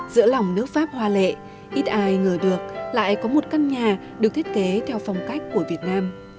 giữa lòng nước pháp hoa lệ ít ai ngờ được lại có một căn nhà được thiết kế theo phong cách của việt nam